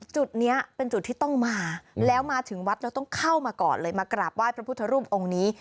จุดนี้เป็นจุดที่ต้องมาแล้วมาถึงวัดแล้วต้องเข้ามาก่อนเลยมากราบไห้พระพุทธรูปองค์นี้